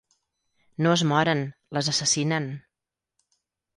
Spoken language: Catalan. No es moren, les assassinen.